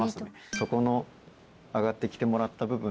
そこの上がってきてもらった部分。